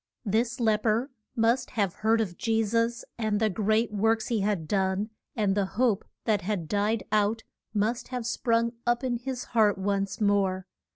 This lep er must have heard of Je sus and the great works he had done, and the hope that had died out must have sprung up in his heart once more.